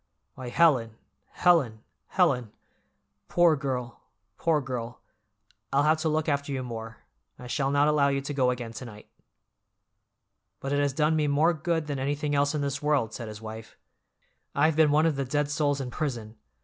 Why, Helen, Helen, Helen! Poor girl, poor girl, I'll have to look after you more, I shall not allow you to go again to night." "But it has done me more good than anything else in this world," said his wife. "I've been one of the dead souls in prison.